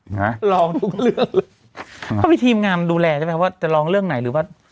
ฮะลองทุกเรื่องเขามีทีมงานดูแลใช่ไหมครับว่าจะลองเรื่องไหนหรือว่า